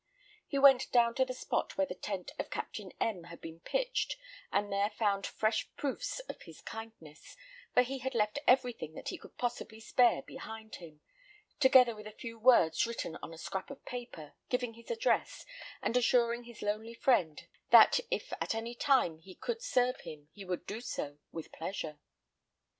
He went down to the spot where the tent of Captain M had been pitched, and there found fresh proofs of his kindness; for he had left everything that he could possibly spare behind him, together with a few words written on a scrap of paper, giving his address, and assuring his lonely friend that if at any time he could serve him he would do so with pleasure.